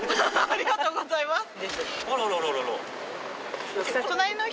ありがとうございます。